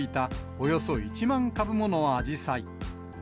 およそ１万株ものアジサイ。